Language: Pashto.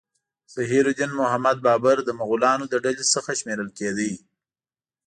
ظهیر الدین محمد بابر د مغولانو له ډلې څخه شمیرل کېده.